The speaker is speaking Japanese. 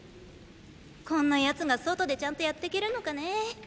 こんな奴が外でちゃんとやってけるのかねぇ？